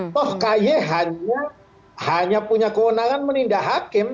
toh ky hanya punya kewenangan menindak hakim